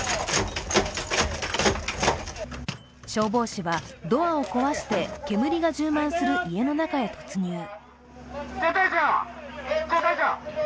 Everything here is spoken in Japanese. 消防士はドアを壊して、煙が充満する家の中へ突入。